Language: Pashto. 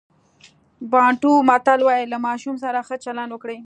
بانټو متل وایي له ماشوم سره ښه چلند وکړئ.